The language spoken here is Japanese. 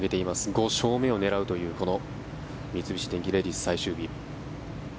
５勝目を狙うというこの三菱電機レディス最終日。